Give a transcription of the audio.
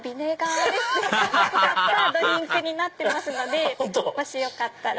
アハハハハ使ったドリンクになってますのでもしよかったら。